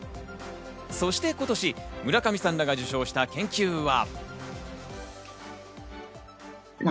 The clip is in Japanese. そして今年、村上さんらが受賞した研究は。